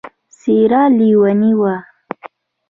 څېره نېولې وه.